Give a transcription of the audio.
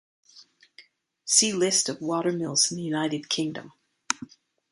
See List of watermills in the United Kingdom.